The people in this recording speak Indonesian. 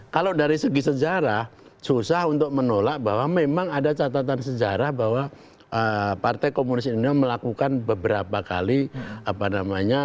kalau dari segi sejarah susah untuk menolak bahwa memang ada catatan sejarah bahwa partai komunis indonesia melakukan beberapa kali apa namanya